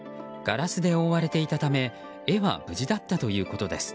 ガラスで覆われていたため絵は無事だったということです。